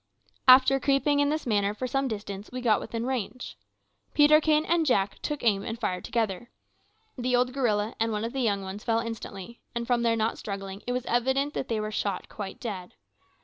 After creeping in this manner for some distance, we got within range. Peterkin and Jack took aim and fired together. The old gorilla and one of the young ones fell instantly, and from their not struggling it was evident that they were shot quite dead.